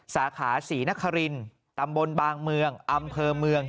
สาขาศรีนครินตำบลบางเมืองอำเภอเมือง